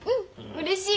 うれしい。